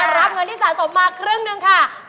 รับเงินที่สะสมมาครึ่งหนึ่งค่ะ